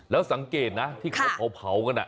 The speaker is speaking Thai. แล้วสังเกตนะที่เขาเผากัน